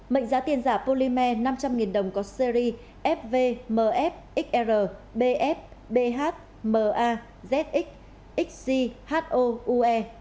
mệnh giá tiền giả polymer năm trăm linh đồng có series fvmfxr bf bh ma zx xz ho ue